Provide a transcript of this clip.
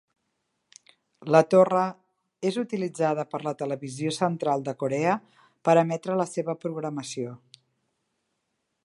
La torre és utilitzada per la Televisió Central de Corea per emetre la seva programació.